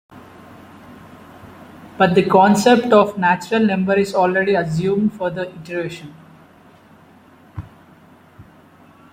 But the concept of natural number is already assumed for the iteration.